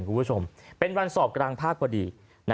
ผู้ชมเป็นวันสอบกลางภาคประดี